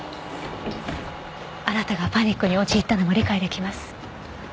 あなたがパニックに陥ったのも理解出来ます。